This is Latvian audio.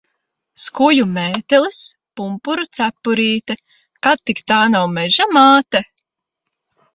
Skuju mētelis, pumpuru cepurīte. Kad tik tā nav Meža māte?